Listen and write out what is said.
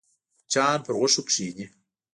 مچان پر غوښو کښېني